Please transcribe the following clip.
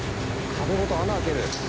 壁ごと穴開ける？